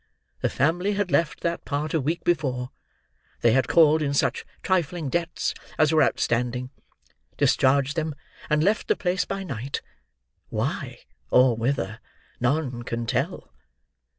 The family had left that part a week before; they had called in such trifling debts as were outstanding, discharged them, and left the place by night. Why, or whither, none can tell."